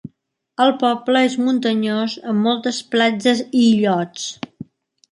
El poble és muntanyós amb moltes platges i illots.